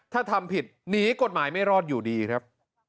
ถ้าทำผิดหนีกฎหมายไม่รอดอยู่ดีครับ